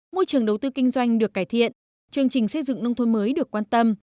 môi trường đầu tư kinh doanh được cải thiện chương trình xây dựng nông thôn mới được quan tâm